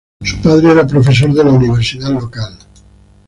Su padre era profesor de la universidad local.